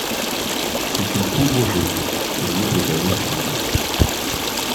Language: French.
C'est une poudre jaune, soluble dans l'eau chaude.